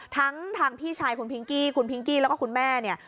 ทั้งทางพี่ชายคุณพิงกี้คุณพิงกี้แล้วก็คุณแม่เนี่ย